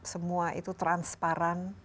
semua itu transparan